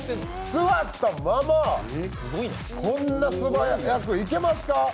座ったままこんな素早くいけますか。